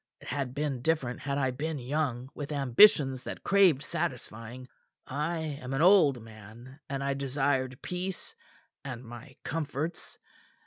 It had been different had I been young with ambitions that craved satisfying. I am an old man; and I desired peace and my comforts.